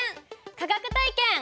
科学体験！